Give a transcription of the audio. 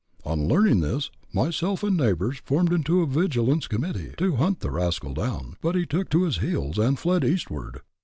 On learning this, myself and neighbors formed into a vigilance committee to hunt the rascal down, but he took to his heels, and fled Eastward.